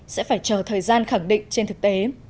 sẽ phải chờ thời gian khẳng định trên thực tế